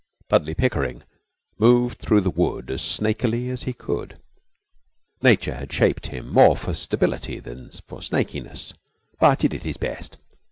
Dudley Pickering moved through the wood as snakily as he could. Nature had shaped him more for stability than for snakiness, but he did his best.